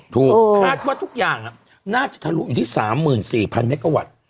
ถูกคาดว่าทุกอย่างอ่ะน่าจะทะลุอยู่ที่สามหมื่นสี่พันเมกะวัตต์